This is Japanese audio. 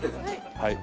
はい。